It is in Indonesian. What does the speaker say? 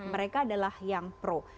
mereka adalah yang pro